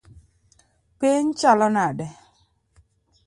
Piny chalo nade?